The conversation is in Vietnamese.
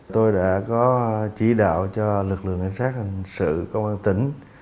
tôi đã có chỉ đạo cho lực lượng cảnh sát hình sự công an tỉnh